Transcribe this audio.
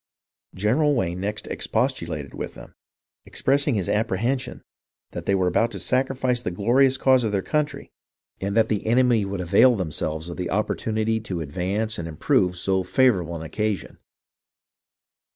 '' General Wayne next expostulated with them, expressing his apprehension that they were about to sacrifice the glorious cause of their country, and that the enemy would 3IO HISTOn^' OF THE AMERICAN REVOLUTION avail themselves of the opportunity to advance and improve so favourable an occasion.